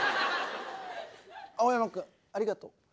青山君ありがとう。